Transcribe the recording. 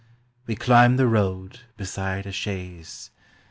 We climb the road Beside a chaise.